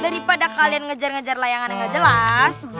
daripada kalian ngejar ngejar layangan yang gak jelas